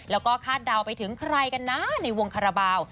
แล้วก็คาดเดาไปถึงใครกันนะในวงคาราบาล